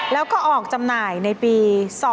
แล้วก็ออกจำหน่ายในปี๒๕๖